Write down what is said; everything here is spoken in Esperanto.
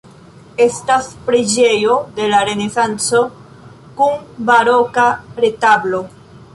Estas preĝejo de la Renesanco kun baroka retablo.